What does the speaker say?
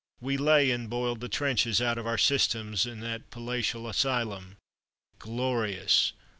We lay and boiled the trenches out of our systems in that palatial asylum. Glorious!